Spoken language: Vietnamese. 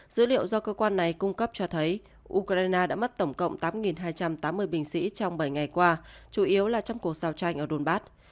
dữ liệu do cơ quan này cung cấp cho thấy ukraine đã mất tổng cộng tám hai trăm tám mươi binh sĩ trong bảy ngày qua chủ yếu là trong cuộc giao tranh ở donbat